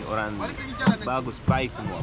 orang bagus baik semua